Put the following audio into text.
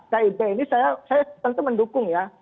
kib ini saya tentu mendukung ya